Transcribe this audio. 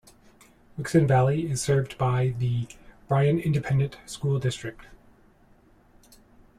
Wixon Valley is served by the Bryan Independent School District.